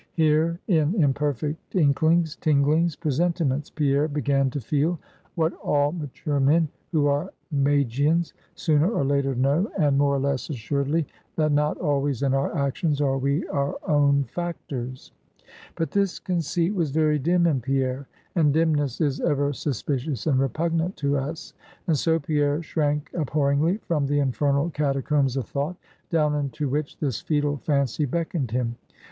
Here, in imperfect inklings, tinglings, presentiments, Pierre began to feel what all mature men, who are Magians, sooner or later know, and more or less assuredly that not always in our actions, are we our own factors. But this conceit was very dim in Pierre; and dimness is ever suspicious and repugnant to us; and so, Pierre shrank abhorringly from the infernal catacombs of thought, down into which, this foetal fancy beckoned him.